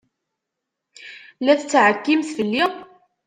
La tettɛekkim fell-i?